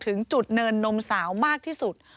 ถึงจุดเนินนมสาวมากที่สุด